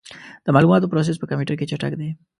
د معلوماتو پروسس په کمپیوټر کې چټک دی.